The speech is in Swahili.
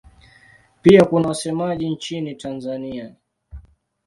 Pia kuna wasemaji nchini Tanzania.